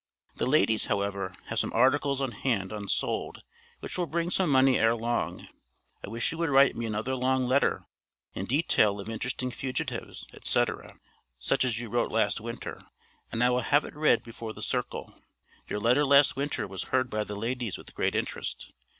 The ladies, however, have some articles on hand unsold, which will bring some money ere long. I wish you would write me another long letter in detail of interesting fugitives, etc., such as you wrote last winter, and I will have it read before the circle. Your letter last winter was heard by the ladies with great interest.